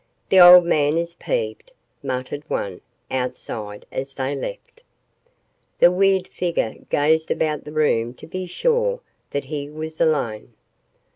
"The old man is peeved," muttered one, outside, as they left. The weird figure gazed about the room to be sure that he was alone.